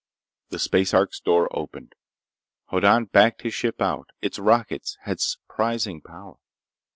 The space ark's door opened. Hoddan backed his ship out. Its rockets had surprising power.